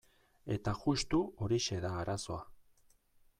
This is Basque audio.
Eta justu horixe da arazoa.